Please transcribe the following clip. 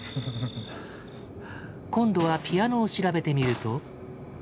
今度はピアノを調べてみると。